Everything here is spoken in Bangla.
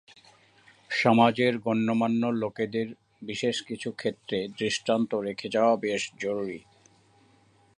সমাজের গণ্যমান্য লোকেদের বিশেষ কিছু ক্ষেত্রে দৃষ্টান্ত রেখে যাওয়া বেশ জরুরী।